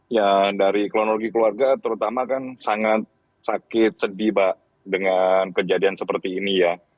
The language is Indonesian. ya dari kronologi keluarga terutama kan sangat sakit sedih mbak dengan kejadian seperti ini ya